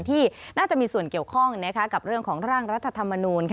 ที่น่าจะมีส่วนเกี่ยวข้องกับเรื่องของร่างรัฐธรรมนูล